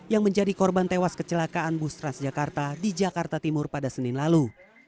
yang menjadi korban tewas kecelakaan bus transjakarta di jakarta timur pada senin lalu